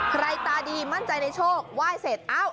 ตาดีมั่นใจในโชคไหว้เสร็จ